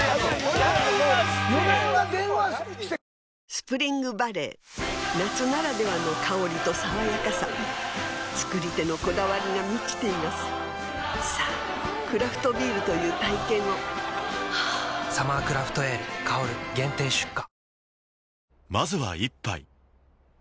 スプリングバレー夏ならではの香りと爽やかさ造り手のこだわりが満ちていますさぁクラフトビールという体験を「サマークラフトエール香」限定出荷